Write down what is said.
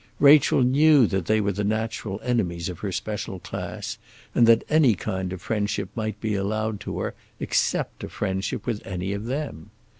Rachel knew that they were the natural enemies of her special class, and that any kind of friendship might be allowed to her, except a friendship with any of them.